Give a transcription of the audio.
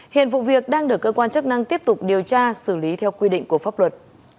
hiện vụ việc đang được cơ quan chức năng tiếp tục điều tra xử lý theo quy định của pháp luật